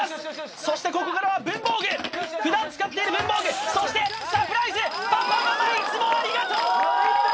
そしてここからは文房具普段使っている文房具そしてサプライズパパママいつもありがとうー！